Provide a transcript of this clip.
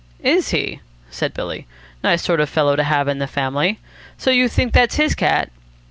"Is he?" said Billy. "Nice sort of fellow to have in the family. So you think that's his cat?"